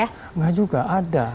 enggak juga ada